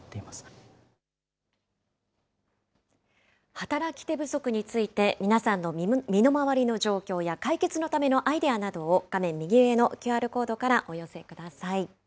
働き手不足について、皆さんの身の回りの状況や、解決のためのアイデアなどを画面右上のＱＲコードからお寄せください。